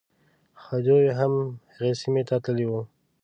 خدیو هم هغې سیمې ته تللی و.